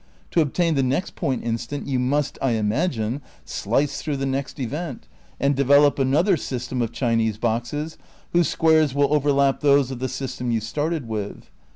To obtain the next point instant you must, I imagine, slice through the next event and develop another system of Chinese boxes, whose squares will over lap those of the system you started with.